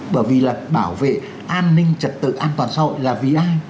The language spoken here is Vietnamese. bởi vì là bảo vệ an ninh trật tự an toàn xã hội là vì ai